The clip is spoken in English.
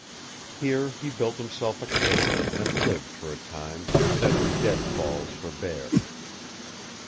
Here he built himself a camp and lived for a time, setting dead falls for bear.